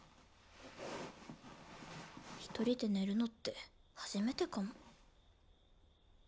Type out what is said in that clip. １人で寝るのって初めてかも。